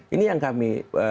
ini yang kami